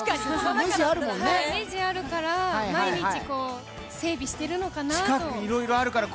ネジあるから、毎日整備しているのかなと。